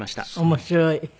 面白い。